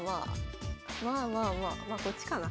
まあまあまあまあこっちかな。